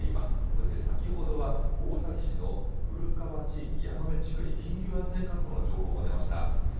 そして先ほどは、大崎市の古川地域矢目地区に緊急安全確保の情報も出ました。